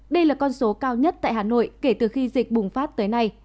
đây là con số cao nhất tại hà nội kể từ khi dịch bùng phát tới nay